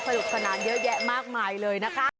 สนุกสนานเยอะแยะมากมายเลยนะคะ